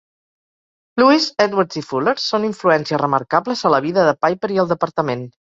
Lewis, Edwards i Fuller són influències remarcables a la vida de Piper i el departament.